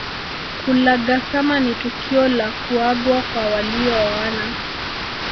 Kulagasama ni tukio la kuagwa kwa waliooana